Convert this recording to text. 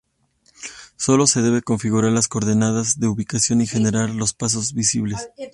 Solo se debe configurar las coordenadas de ubicación y generar los pasos visibles.